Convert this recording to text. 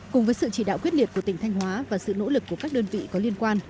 cùng với sự chỉ đạo quyết liệt của tỉnh thanh hóa và sự nỗ lực của các đơn vị có liên quan